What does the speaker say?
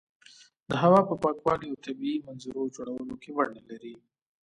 د هوا په پاکوالي او طبیعي منظرو جوړولو کې ونډه لري.